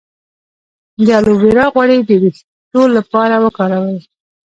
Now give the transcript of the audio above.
د الوویرا غوړي د ویښتو لپاره وکاروئ